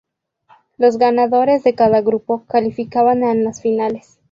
Los ganadores de cada grupo calificaban a las finales.